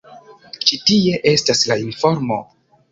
Ĉi tie estas la informo.